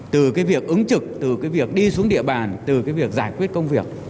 từ việc ứng trực từ việc đi xuống địa bàn từ việc giải quyết công việc